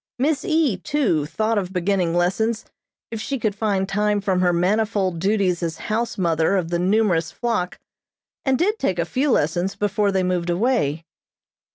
Miss E., too, thought of beginning lessons if she could find time from her manifold duties as house mother of the numerous flock, and did take a few lessons before they moved away.